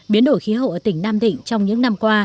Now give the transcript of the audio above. biến đổi khí hậu ở tỉnh nam định trong những năm qua